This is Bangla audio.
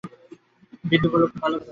বিনু বলল, খুব ভালো কথা, থাক তুমি।